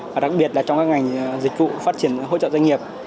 và đặc biệt là trong các ngành dịch vụ phát triển hỗ trợ doanh nghiệp